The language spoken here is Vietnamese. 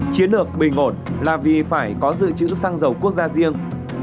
chiến lược bình i là vì phải có dự trữ xăng dầu quốc gia riêng